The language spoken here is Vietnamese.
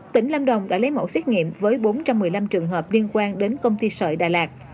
tỉnh lâm đồng đã lấy mẫu xét nghiệm với bốn trăm một mươi năm trường hợp liên quan đến công ty sợi đà lạt